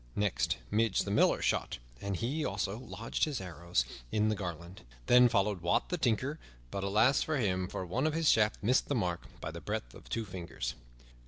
Next Midge, the Miller, shot, and he, also, lodged his arrows in the garland. Then followed Wat, the Tinker, but alas for him! For one of his shafts missed the mark by the breadth of two fingers.